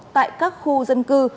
tại các khu dân cư